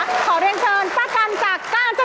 ขอเรียนเชิญป้าจันจักรจนบุรี